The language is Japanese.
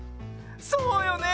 そうよね。